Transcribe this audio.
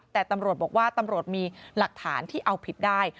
แต่ตำรวจบอกว่าตำรวจมีหลักฐานที่เอาผิดได้